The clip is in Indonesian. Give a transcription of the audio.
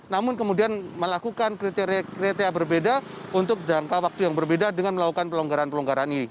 namun kemudian melakukan kriteria kriteria berbeda untuk jangka waktu yang berbeda dengan melakukan pelonggaran pelonggaran ini